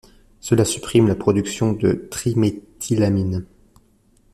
Cela supprime la production de triméthylamine.